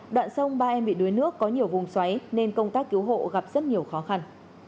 đoạn sông ba em bị đuối nước có nhiều vùng xoáy nên công tác cứu hộ gặp rất nhiều khó khăn